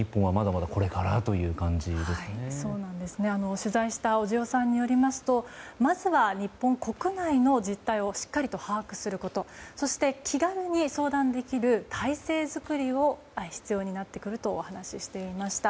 取材した小塩さんによりますとまずは日本国内の実態をしっかりと把握することそして、気軽に相談できる体制作りが必要になってくるとお話ししていました。